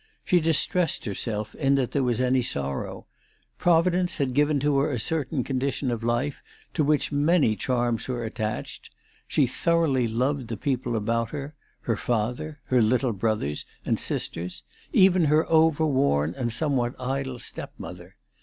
She distressed herself in that there was any sorrow. Providence had given to her a certain condition of life to which many charms were attached. She thoroughly loved the people about her, her father, her little brothers and sisters, even her overworn and somewhat idle step mother.